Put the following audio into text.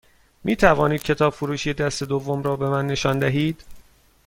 می توانید کتاب فروشی دست دوم رو به من نشان دهید؟